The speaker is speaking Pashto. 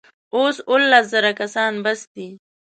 اوس اوولس زره کسان بس دي.